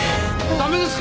駄目です。